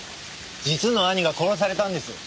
実の兄が殺されたんです。